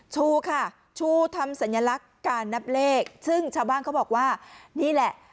ชูค่ะชูทำสัญลักษณ์การนับเลขซึ่งชาวบ้านเขาบอกว่านี่แหละ